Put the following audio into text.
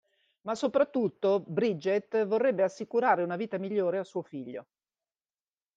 Ma soprattutto, Bridgette vorrebbe assicurare una vita migliore a suo figlio.